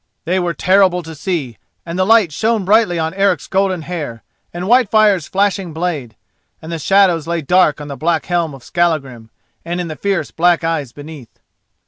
They were terrible to see, and the light shone brightly on Eric's golden hair and Whitefire's flashing blade, and the shadows lay dark on the black helm of Skallagrim and in the fierce black eyes beneath.